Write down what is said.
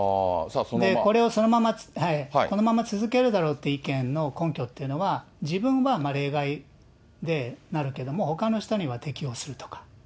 これをこのまま続けるだろうっていう意見の根拠っていうのは、自分は例外で、なるけれども、ほかの人には適用するとか。